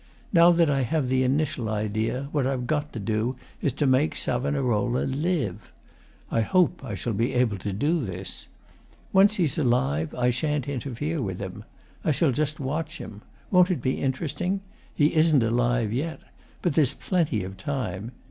Now that I have the initial idea, what I've got to do is to make Savonarola LIVE. I hope I shall be able to do this. Once he's alive, I shan't interfere with him. I shall just watch him. Won't it be interesting? He isn't alive yet. But there's plenty of time.